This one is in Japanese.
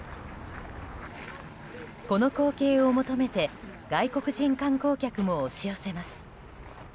この光景を求めて外国人観光客も押し寄せます。